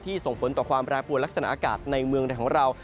ส่งผลต่อความแปรปวดลักษณะอากาศในเมืองไทยของเรา